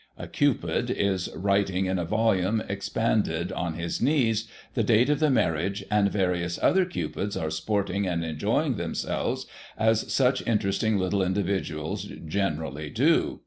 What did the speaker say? A Cupid is writing in a volume expanded on his knees, the date of the marriage, and various other Cupids are sporting and enjoying themselves as such interesting little individuals generally do.